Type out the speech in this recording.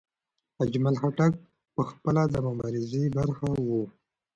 اجمل خټک پخپله د مبارزې برخه و.